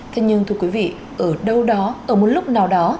thế nhưng thưa quý vị ở đâu đó ở một lúc nào đó